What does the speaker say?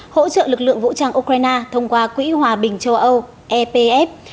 hỗ trợ lực lượng vũ trang ukraine thông qua quỹ hòa bình châu âu epf